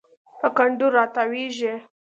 په کنډو راتاویږي